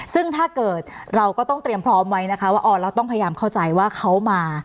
ซึ่งถ้าเกิดเราก็ต้องเตรียมพร้อมไว้นะคะว่าอ๋อเราต้องพยายามเข้าใจว่าเขามา